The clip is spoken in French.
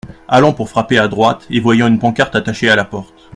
Allant pour frapper à droite et voyant une pancarte attachée à la porte.